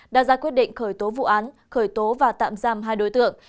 đã ra quyết định khởi tố vụ án khởi tố và tạm giam hai đối tượng